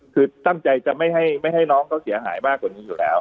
คือตั้งใจจะไม่ให้น้องเขาเสียหายมากกว่านี้อยู่แล้ว